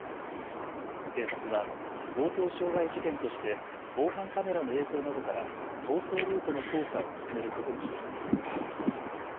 警察は強盗傷害事件として防犯カメラの映像などから逃走ルートの捜査を進めることにしています。